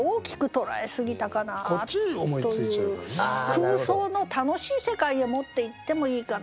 空想の楽しい世界へ持っていってもいいかな。